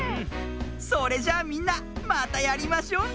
それじゃあみんなまたやりましょうね。